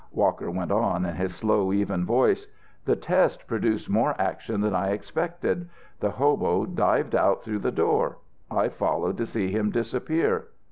Walker went on in his slow, even voice: "The test produced more action than I expected. The hobo dived out through the door. I followed to see him disappear.